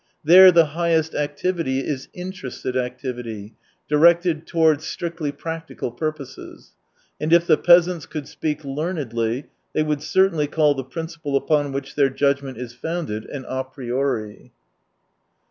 There the highest activity is interested activity, directed towards strictly practical purposes; and if the peasants could speak learnedly, they would certainly call the principle upon which their judgment is founded an a priori.